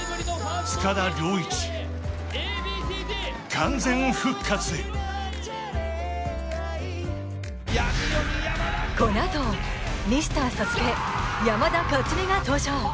完全復活へこのあとミスターＳＡＳＵＫＥ山田勝己が登場！